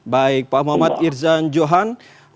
baik pak muhammad irzan johan